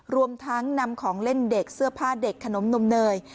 รวมทั้งนำของเล่นเด็กเสื้อผ้าเด็กขนมนมเนย